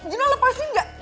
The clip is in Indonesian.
jino lepasin gak